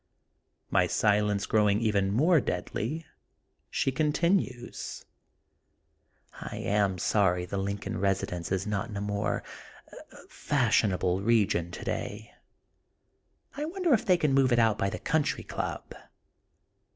*^ My silence growing even more deadly she continues: — ^I am sorry the Lincoln residence is not in a more fashionble region today. I wonder if they can move it out by the Country Club.